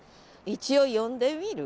一応呼んでみる？